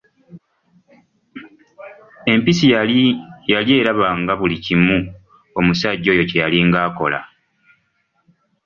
Empisi yali eraba nga buli kimu omusajja oyo kye yalinga akola.